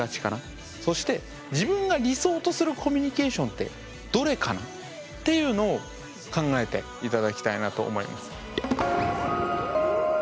そして自分が理想とするコミュニケーションってどれかな？っていうのを考えて頂きたいなと思います。